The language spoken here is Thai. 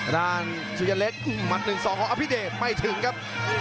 สุยเล็กมัด๑๒ของอภิเดชไม่ถึงครับ